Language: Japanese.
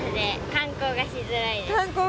観光がしづらい。